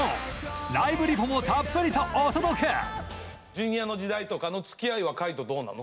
Ｊｒ．の時代とかのつきあいは海人どうなの？